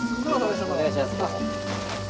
お願いします。